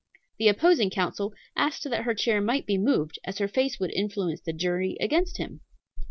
The opposing counsel asked that her chair might be moved, as her face would influence the jury against him!